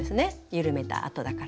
緩めたあとだから。